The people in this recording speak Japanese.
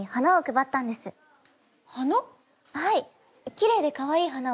きれいでかわいい花を。